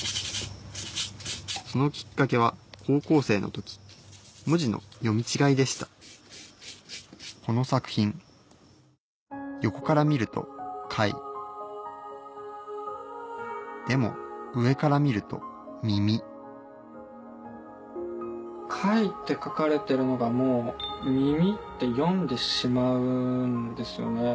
そのきっかけは高校生の時文字の読み違いでしたこの作品横から見ると貝でも上から見ると耳「貝」って書かれてるのがもう「耳」って読んでしまうんですよね。